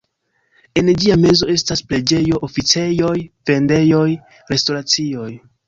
En ĝia mezo estas preĝejo, oficejoj, vendejoj, restoracioj.